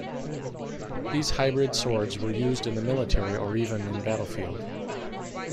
These hybrid swords were used in the military or even in battlefield.